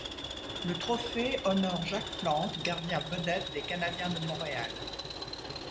Le trophée honore Jacques Plante, gardien vedette des Canadiens de Montréal.